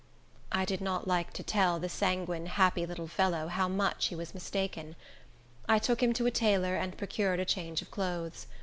I did not like to tell the sanguine, happy little fellow how much he was mistaken. I took him to a tailor, and procured a change of clothes.